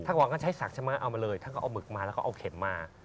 ก่อนก็ใช้สักเอามาเลยท่านก็เอาหมึกมาแล้วก็เอาเข็มมา